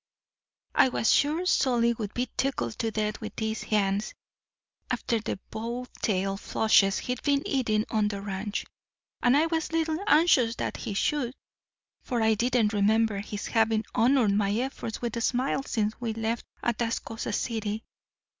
"I was sure Solly would be tickled to death with these hands, after the bobtail flushes he'd been eating on the ranch; and I was a little anxious that he should, for I didn't remember his having honoured my efforts with a smile since we left Atascosa City.